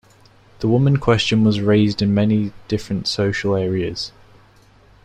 The woman question was raised in many different social areas.